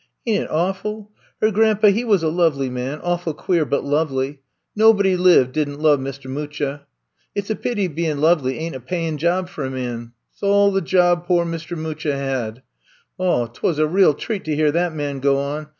Ain't it awful! Her grandpa, he was a lovely man ; awful queer, but lovely ! No 64 I'VE COMB TO STAY 65 body lived did nH love Mist' Mncha. It 's a pity bein* lovely ain't a payin' job for a man. S' all the job pore Mist' Mucha had. Oh, 't was a real treat to hear that man go on.